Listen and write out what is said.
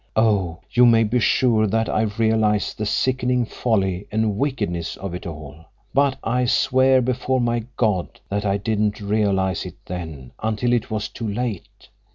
"Oh, you may be sure that I realize the sickening folly and wickedness of it all, but I swear before my God that I didn't realize it then, until it was too late.